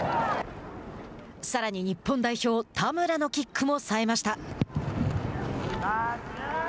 さらに日本代表・田村のキックもさえました。